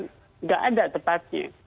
tidak ada tempatnya